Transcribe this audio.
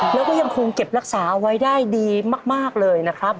แล้วก็ยังคงเก็บรักษาเอาไว้ได้ดีมากเลยนะครับ